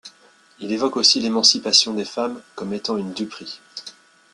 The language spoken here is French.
Il évoque aussi l'émancipation des femmes comme étant une duperie.